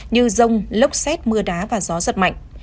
như rông lốc xét mưa đá và gió giật mạnh